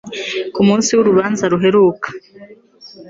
Ku munsi w'urubanza ruheruka,